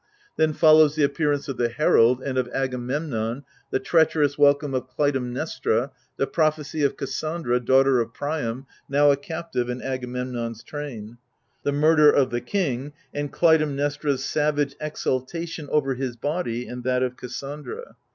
Then follows the appear ance of the Herald, and of Agamemnon ; the treacherous welcome of Clytemnestra ; the prophecy of Cassandra, daughter of Priam, now a captive in Agamemnon's train ; the murder of the king, and Clytemnestra's savage exultation over his body and that of Cassandra.